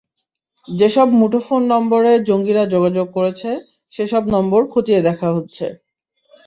যেসব মুঠোফোন নম্বরে জঙ্গিরা যোগাযোগ করেছে, সেসব নম্বর খতিয়ে দেখা হচ্ছে।